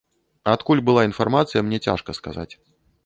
Адкуль была інфармацыя, мне цяжка сказаць.